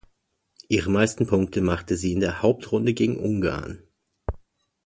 Ihre meisten Punkte machte sie in der Hauptrunde gegen Ungarn.